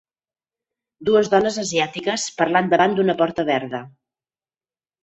dues dones asiàtiques parlant davant d'una porta verda